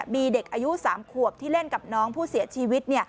มีเด็กอายุ๓ขวบที่เล่นกับน้องผู้เสียชีวิต